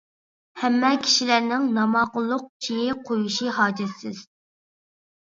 ھەممە كىشىلەرنىڭ ناماقۇللۇق چېيى قويۇشى ھاجەتسىز.